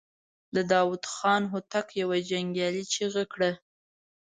د داوود خان هوتک يوه جنګيالې چيغه کړه.